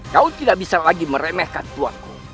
kau tidak bisa lagi meremehkan tuhanku